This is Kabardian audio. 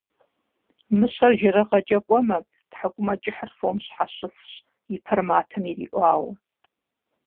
Мыщэр жэрыгъэкӏэ кӏуэмэ - тхьэкӏумэкӏыхьыр фом щхьэщысщ, и пэр матэм ириӏуауэ.